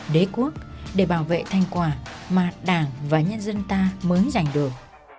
đế quốc để bảo vệ thành quả mà đảng và nhân dân ta mới giành được